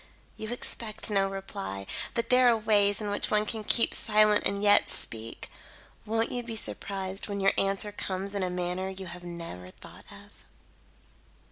You expect no reply, but there are ways in which one can keep silent and yet speak. Won't you be surprised when your answer comes in a manner you have never thought of?"